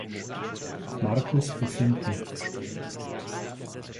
Markus befinden.